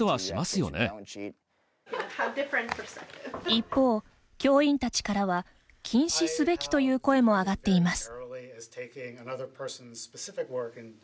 一方、教員たちからは禁止すべきという声も挙がっています。